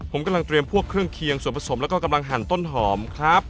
ผมกำลังเตรียมพวกเครื่องเคียงส่วนผสมแล้วก็กำลังหั่นต้นหอมครับ